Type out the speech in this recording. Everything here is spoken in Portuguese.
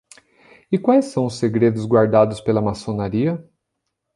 E quais são os segredos guardados pela maçonaria?